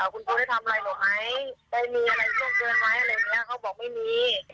คุณครูได้ทำอะไรหนูไหมได้มีอะไรช่วงเจอไหมอะไรแบบนี้เขาบอกไม่มี